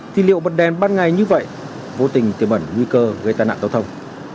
thì liệu bật đèn bát ngày như vậy vô tình tiềm ẩn nguy cơ gây tai nạn giao thông